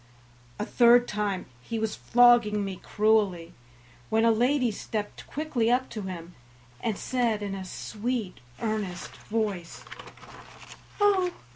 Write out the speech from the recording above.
A third time he was flogging me cruelly, when a lady stepped quickly up to him, and said in a sweet, earnest voice: "Oh!